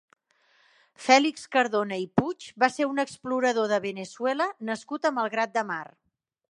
Fèlix Cardona i Puig va ser un explorador de Veneçuela nascut a Malgrat de Mar.